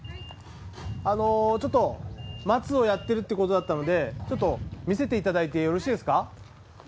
あの松をやってるってことだったのでちょっと見せていただいてよろしいですか？